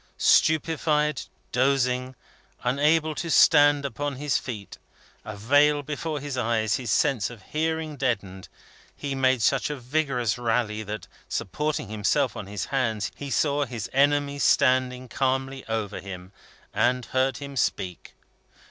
Stupefied, dozing, unable to stand upon his feet, a veil before his eyes, his sense of hearing deadened, he made such a vigorous rally that, supporting himself on his hands, he saw his enemy standing calmly over him, and heard him speak.